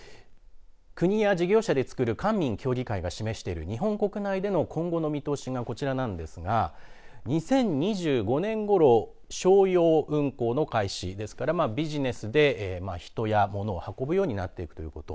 国や事業者でつくる官民協議会が示している日本国内での今後の見通しがこちらなんですが２０２５年ごろ商用運航の開始ですからビジネスで人や物を運ぶようになっていくということ。